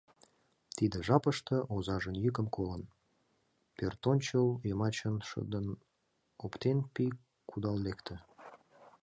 Тиде жапыште, озажын йӱкым колын, пӧртӧнчыл йымачын шыдын оптен пий кудал лекте.